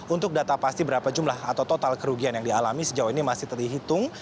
untuk data pasti berapa jumlah atau total kerugian yang dialami sejauh ini masih terhitung